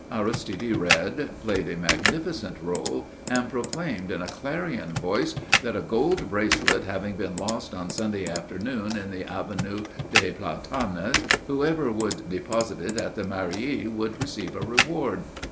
Aristide read, played a magnificent roll and proclaimed in a clarion voice that a gold bracelet having been lost on Sunday afternoon in the Avenue des Platanes, whoever would deposit it at the Mairie would receive a reward.